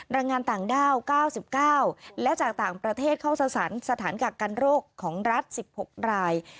แรงงานต่างด้าว๙๙และจากต่างประเทศเข้าสรรสถานกักกันโรคของรัฐ๑๖ราย